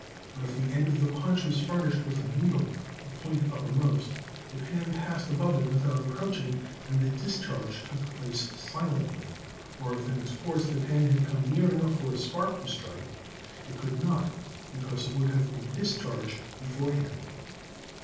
But if the end of the punch was furnished with a needle, the point uppermost, the pan passed above it without approaching, and the dis charge took place silently, or if in its course the pan had come near enough for a spark to strike, it could not, be cause it would have been discharged beforehand.